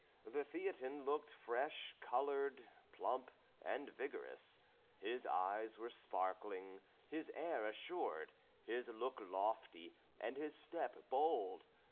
The Theatin looked fresh coloured, plump, and vigorous; his eyes were sparkling, his air assured, his look lofty, and his step bold.